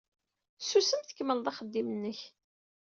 Susem, tkemmled axeddim-nnek.